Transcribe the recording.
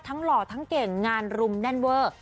หล่อทั้งเก่งงานรุมแน่นเวอร์